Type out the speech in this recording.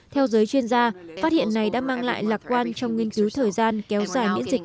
theo giới chuyên gia phát hiện này đã mang lại lạc quan trong nghiên cứu thời gian kéo dài